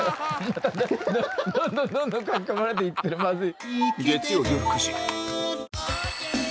どんどん書き込まれて行ってるまずい。